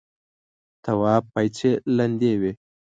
تواب پايڅې لندې وې.